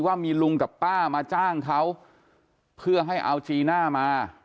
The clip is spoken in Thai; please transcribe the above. ว่ามีลุงกับป้ามาจ้างเขาเพื่อให้เอาจีน่ามา